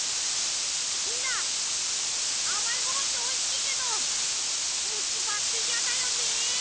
みんなあまいものっておいしいけどむしばっていやだよね。